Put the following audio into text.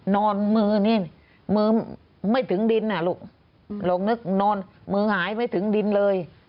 นอนมือนี่มือไม่ถึงดินอ่ะลูกลงนึกนอนมือหายไม่ถึงดินเลย